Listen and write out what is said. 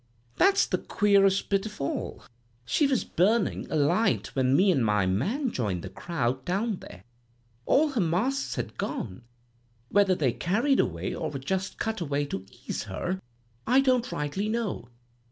"'That's the queerest bit of all. She was burnin' a light when me an' my man joined the crowd down there. All her masts had gone; whether they carried away, or were cut away to ease her, I don't rightly know.